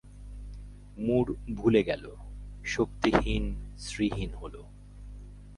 মূর ভুলে গেল, শক্তিহীন শ্রীহীন হল।